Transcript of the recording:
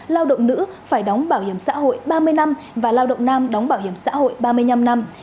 lao động nữ phải đóng bảo hiểm xã hội ba mươi năm và lao động nam đóng bảo hiểm xã hội ba mươi năm năm